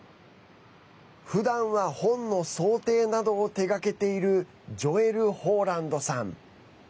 ふだんは本の装丁などを手がけているジョエル・ホーランドさん。